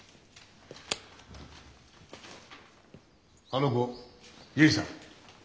あの子結さん。